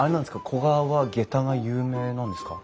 古河はげたが有名なんですか？